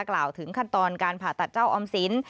กล่าวถึงขั้นตอนการผ่าตัดเจ้าออมสิน